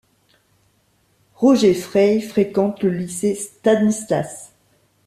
Roger Frey fréquente le lycée Stanislas.